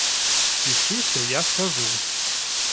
Пішы, што я скажу!